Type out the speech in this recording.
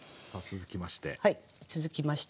続きまして。